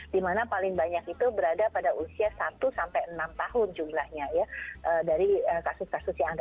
dimana paling banyak itu berada pada usia satu sampai enam tahun jumlahnya ya dari kasus kasus yang ada